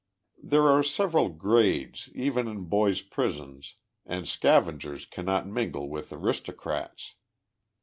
There are several grades even in boy's prisons, and scaven gers cannot mingle with aristocrats.